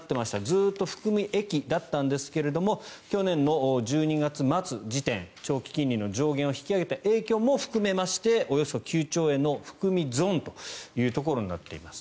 ずっと含み益だったんですが去年の１２月末時点長期金利の上限を引き上げた影響を含めましておよそ９兆円の含み損というところになっています。